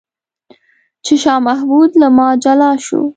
چې شاه محمود له ما جلا شو.